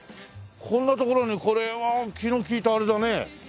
こんな所にこれは気の利いたあれだね。